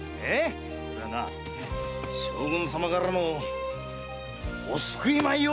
これは将軍様からのお救い米よ‼